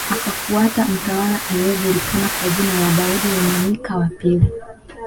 Akafuata mtawala aliyejulikana kwa jina la Daudi Rumanyika wa pili